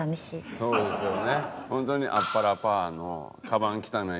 そうですよね。